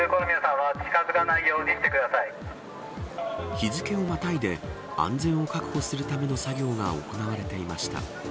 日付をまたいで、安全を確保するための作業が行われていました。